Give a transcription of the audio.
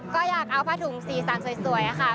ก็อยากเอาผ้าถุงสีสันสวยค่ะ